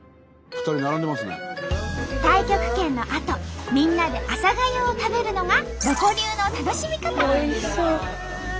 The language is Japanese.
太極拳のあとみんなで朝がゆを食べるのがロコ流の楽しみ方。